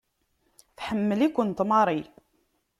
Tḥemmel-ikent Mary.